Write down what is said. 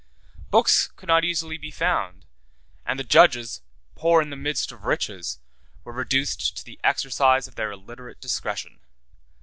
Books could not easily be found; and the judges, poor in the midst of riches, were reduced to the exercise of their illiterate discretion.